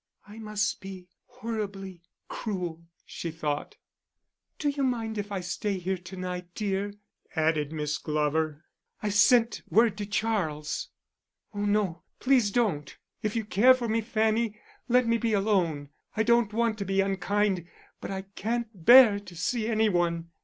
"I must be horribly cruel," she thought. "Do you mind if I stay here to night, dear," added Miss Glover. "I've sent word to Charles." "Oh, no, please don't. If you care for me, Fanny, let me be alone. I don't want to be unkind, but I can't bear to see any one."